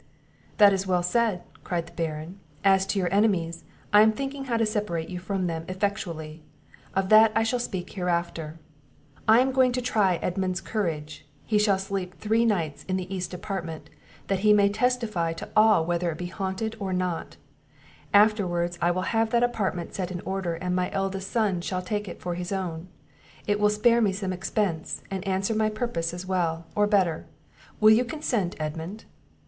"That is well said," cried the Baron; "as to your enemies, I am thinking how to separate you from them effectually; of that I shall speak hereafter. I am going to try Edmund's courage; he shall sleep three nights in the east apartment, that he may testify to all whether it be haunted or not; afterwards I will have that apartment set in order, and my eldest son shall take it for his own; it will spare me some expence, and answer my purpose as well, or better; Will you consent, Edmund?"